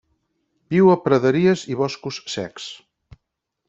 Viu a praderies i boscos secs.